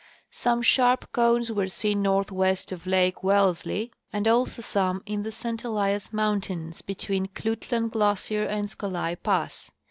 Some sharp cones were seen northwest of lake Wellesley and also some in the St Elias mountains between Klutlan glacier and Scolai pass.